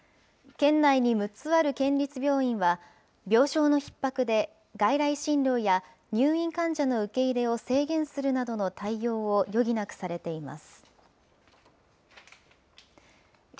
県内に６つある県立病院は、病床のひっ迫で、外来診療や入院患者の受け入れを制限するなどの対応を余儀なくされています。